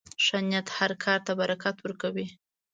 ښه نیت هر کار ته برکت ورکوي.